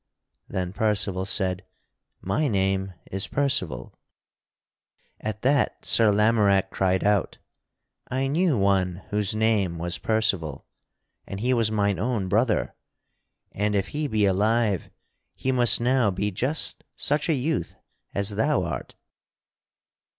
Then Percival said: "My name is Percival." At that Sir Lamorack cried out: "I knew one whose name was Percival, and he was mine own brother. And if he be alive he must now be just such a youth as thou art."